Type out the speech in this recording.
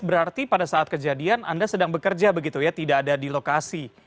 berarti pada saat kejadian anda sedang bekerja begitu ya tidak ada di lokasi